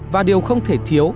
và điều không thể thiếu